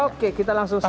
oke kita langsung saja